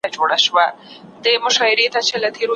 د ښه پرمختګ له پاره تل خپلي موخي او کارونه یاداښت کړئ.